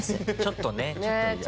ちょっとねちょっと嫌かな。